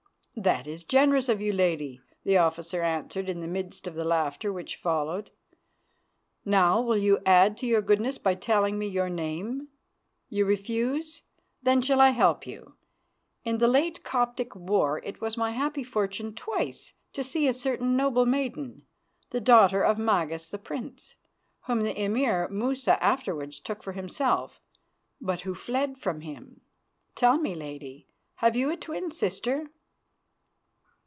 "That is generous of you, Lady," the officer answered in the midst of the laughter which followed. "Now will you add to your goodness by telling me your name? You refuse? Then shall I help you? In the late Coptic war it was my happy fortune twice to see a certain noble maiden, the daughter of Magas the Prince, whom the Emir Musa afterwards took for himself, but who fled from him. Tell me, Lady, have you a twin sister?"